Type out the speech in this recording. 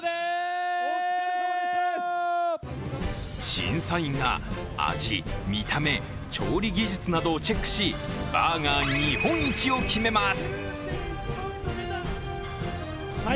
審査員が味、見た目、調理技術などをチェックしバーガー日本一を決めます。